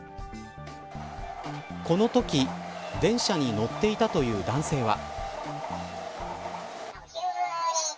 このとき電車に乗っていたという男性は。